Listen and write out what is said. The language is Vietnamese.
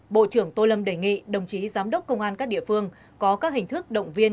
bộ trưởng tô lâm đề nghị đồng chí giám đốc công an các địa phương có các hình thức động viên